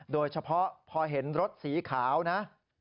โดยเฉพาะพอเห็นรถสีขาวนะ